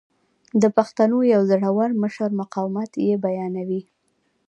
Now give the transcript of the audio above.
د پښتنو یو زړه ور مشر مقاومت یې بیانوي.